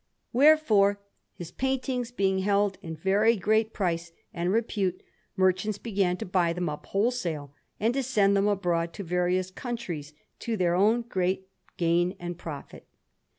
Wherefore, his paintings being held in very great price and repute, merchants began to buy them up wholesale and to send them abroad to various countries, to their own great gain and profit.